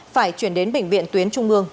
phải chuyển đến bệnh viện tuyến trung ương